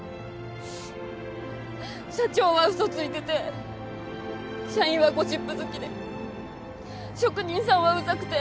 社長はうそついてて社員はゴシップ好きで職人さんはウザくて。